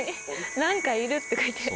「何かいる」って書いてある。